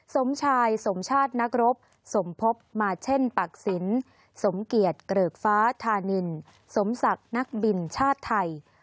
สมชายสมชาตินักรบสมภพมาเช่นปักศิลป์สมเกียจเกริกฟ้าธานินสมศักดิ์นักบินชาติไทย